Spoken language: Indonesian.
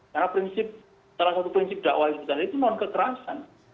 karena prinsip salah satu prinsip dakwah di sebutan itu non kekerasan